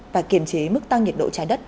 và kiềm chế mức tăng nhiệt độ trái đất